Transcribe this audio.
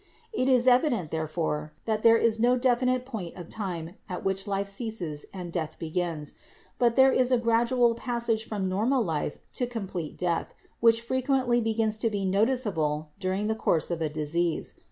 It is evident, therefore, that there is no definite point of time at which life ceases and death begins ; but there is a gradual passage from normal life to complete death which frequently begins to be noticeable during the course of a disease.